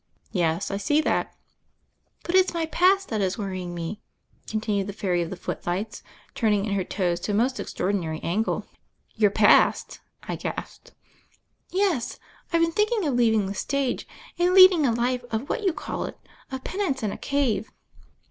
"Yes, I see that." "But it's my past that is worrying me," con tinued the Fairy of the Footlights, turning in her toes to a most extraordinary angle. "Your past?" I gasped. "Yes. I've been thinking of leaving the stage and leading a life of what you call it — of penance in a cave."